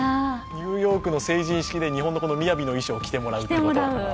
ニューヨークの成人式で日本のみやびの衣装を着てもらうということ。